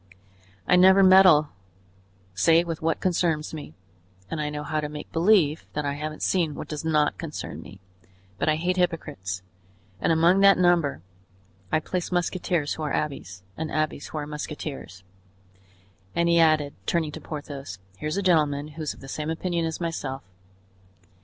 "I never meddle save with what concerns me, and I know how to make believe that I haven't seen what does not concern me; but I hate hypocrites, and among that number I place musketeers who are abbés and abbés who are musketeers; and," he added, turning to Porthos "here's a gentleman who's of the same opinion as myself."